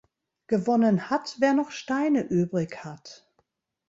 Gewonnen hat, wer noch Steine übrig hat.